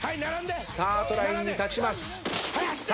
スタートラインに立ちます。